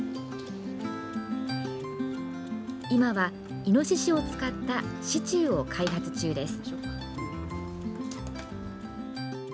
今は、いのししを使ったシチューを開発中です。